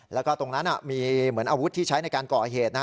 แล้วก็ตรงนั้นมีเหมือนอาวุธที่ใช้ในการก่อเหตุ